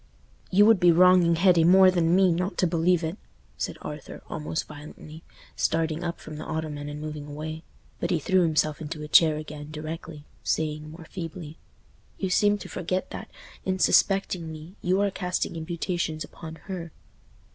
"You would be wronging Hetty more than me not to believe it," said Arthur, almost violently, starting up from the ottoman and moving away. But he threw himself into a chair again directly, saying, more feebly, "You seem to forget that, in suspecting me, you are casting imputations upon her."